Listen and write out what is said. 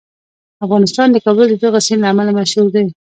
افغانستان د کابل د دغه سیند له امله مشهور دی.